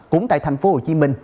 cũng tại thành phố hồ chí minh